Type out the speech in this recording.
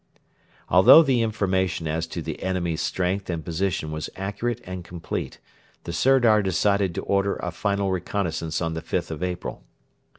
Although the information as to the enemy's strength and position was accurate and complete, the Sirdar decided to order a final reconnaissance on the 5th of April.